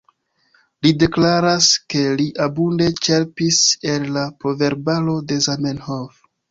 Li deklaras, ke li abunde ĉerpis el la Proverbaro de Zamenhof.